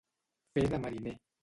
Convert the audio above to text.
Fer de mariner.